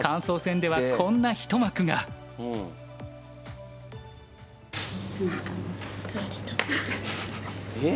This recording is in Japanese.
感想戦ではこんな一幕が。え？